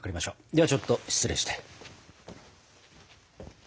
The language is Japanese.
ではちょっと失礼して。